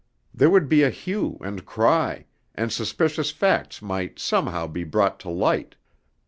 There would be a hue and cry, and suspicious facts might somehow be brought to light.